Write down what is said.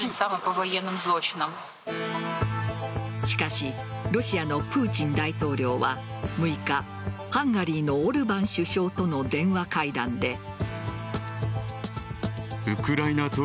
しかしロシアのプーチン大統領は６日、ハンガリーのオルバン首相との電話会談で。